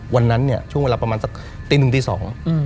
วันนั้นเนี่ยช่วงเวลาประมาณสักตีหนึ่งตีสอง